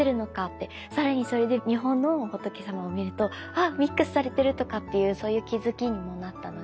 更にそれで日本の仏さまを見るとあミックスされてるとかっていうそういう気付きにもなったので。